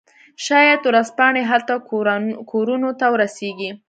شاید ورځپاڼې هلته کورونو ته ورسیږي